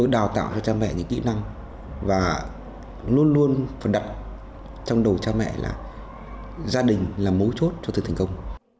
đào tạo cho cha mẹ những kỹ năng và luôn luôn phần đặt trong đầu cha mẹ là gia đình là mối chốt cho thực thành công